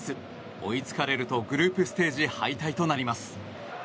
追いつかれるとグループステージ敗退となります。